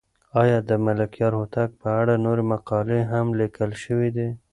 آیا د ملکیار هوتک په اړه نورې مقالې هم لیکل شوې دي؟